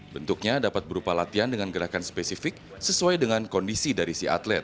bentuknya dapat berupa latihan dengan gerakan spesifik sesuai dengan kondisi dari si atlet